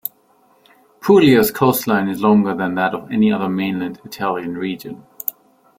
Puglia's coastline is longer than that of any other mainland Italian region.